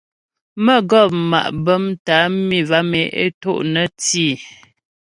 Mə́gɔp ma' bəm tə́ á mi vam e é to' nə́ tî.